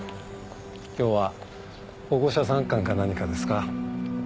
今日は保護者参観か何かですか？